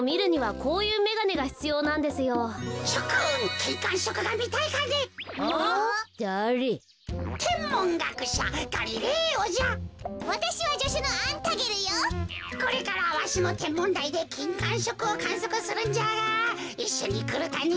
これからわしのてんもんだいできんかんしょくをかんそくするんじゃがいっしょにくるかね？